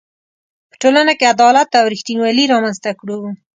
په ټولنه کې عدالت او ریښتینولي رامنځ ته کړو.